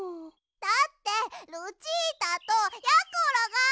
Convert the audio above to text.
だってルチータとやころが！